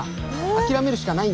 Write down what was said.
諦めるしかないんだ。